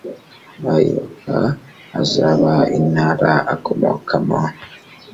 ibk abaza intara akomokamo